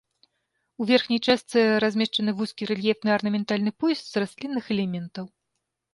У верхняй частцы размешчаны вузкі рэльефны арнаментальны пояс з раслінных элементаў.